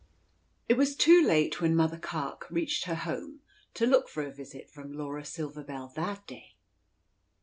It was too late when Mother Carke reached her home to look for a visit from Laura Silver Bell that day.